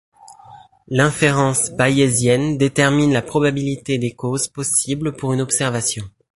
L'inférence bayésienne détermine la probabilité des causes possibles pour une observation.